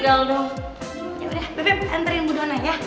yaudah beb anterin budona ya